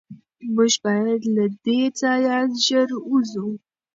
موږ باید له دې ځایه زر ووځو.